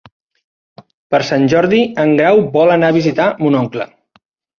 Per Sant Jordi en Grau vol anar a visitar mon oncle.